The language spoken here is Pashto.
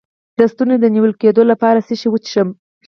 د ستوني د نیول کیدو لپاره باید څه شی وڅښم؟